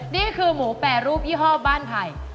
นี่คือหมูแปรรูปยี่ห้อบ้านไผ่